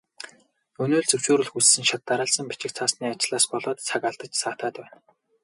Өнөө л зөвшөөрөл хүссэн шат дараалсан бичиг цаасны ажлаас болоод цаг алдаж саатаад байна.